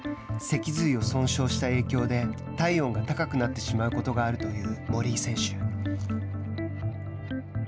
脊髄を損傷した影響で体温が高くなってしまうことがあるという森井選手。